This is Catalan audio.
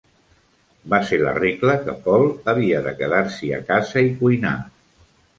Va ser la regla que Paul havia de quedar-s'hi a casa i cuinar.